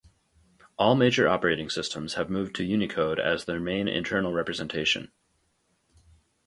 All major operating systems have moved to Unicode as their main internal representation.